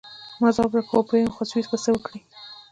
ما ځواب ورکړ: هو، پوهیږم، خو سویس به څه وکړي؟